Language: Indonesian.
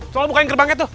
tolong bukain gerbangnya tuh